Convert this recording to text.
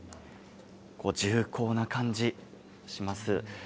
重厚な感じします。